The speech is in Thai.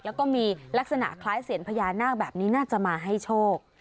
แล้วก็มีลักษณะคล้ายเสียนพญานาคแบบนี้น่าจะมาให้โชค